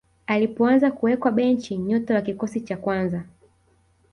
alipoanza kuwekwa benchi nyota wa kikosi cha kwanza